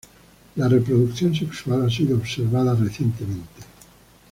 La reproducción sexual ha sido observada recientemente.